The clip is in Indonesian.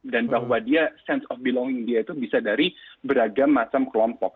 dan bahwa dia sense of belonging dia itu bisa dari beragam macam kelompok